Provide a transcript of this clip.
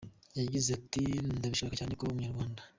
Yagize ati “Ndabishaka cyane kuba Umunyarwanda.